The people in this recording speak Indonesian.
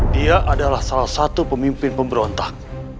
dia adalah salah satu pemimpin pemberontak